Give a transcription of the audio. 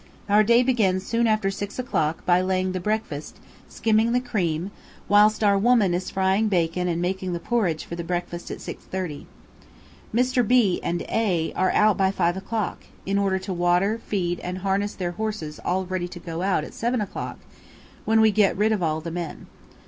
Our day begins soon after 6 o'clock by laying the breakfast, skimming the cream, whilst our woman is frying bacon and making the porridge for the breakfast at 6.30. Mr. B and A are out by 5 o'clock, in order to water, feed, and harness their horses all ready to go out at 7 o'clock, when we get rid of all the men.